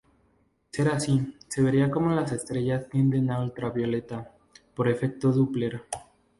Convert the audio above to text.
De ser así, se vería cómo las estrellas tienden a ultravioleta, por efecto Doppler.